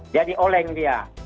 jadi oleng dia